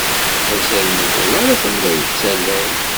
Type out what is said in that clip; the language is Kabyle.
Azal n udulaṛ atan la yettaley.